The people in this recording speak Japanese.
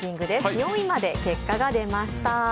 ４位まで結果が出ました。